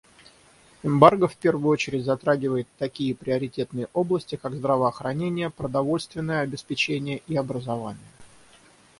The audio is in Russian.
Эмбарго в первую очередь затрагивает такие приоритетные области, как здравоохранение, продовольственное обеспечение и образование.